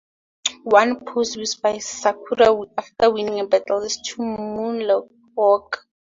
One pose used by Sakura after winning a battle is to moonwalk.